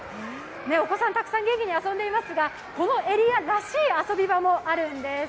お子さん、たくさん元気に遊んでいますが、このエリアらしい遊び場もあるんです。